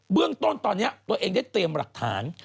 เรื่องต้นตอนนี้ตัวเองได้เตรียมหลักฐาน